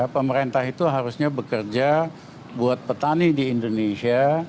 pemerintah itu harusnya bekerja buat petani di indonesia